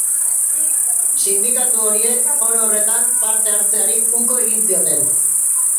Sindikatu horiek foro horretan parte hartzeari uko egin zioten.